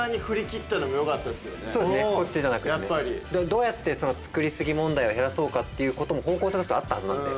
どうやってその作りすぎ問題を減らそうかっていうことも方向性としてはあったはずなので。